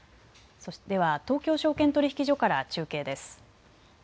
では東京証券取引所から中継です。